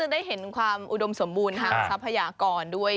ได้เห็นความอุดมสมบูรณ์ทางทรัพยากรด้วย